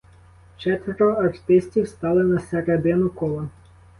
Четверо артистів стали на середину кола.